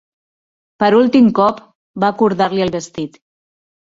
Per últim cop, va cordar-li el vestit.